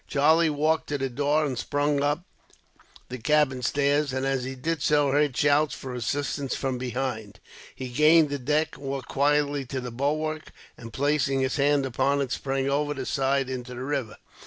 Charlie walked to the door, and sprang up the cabin stairs; and, as he did so, heard shouts for assistance from behind. He gained the deck, walked quietly to the bulwark and, placing his hand upon it, sprang over the side into the river.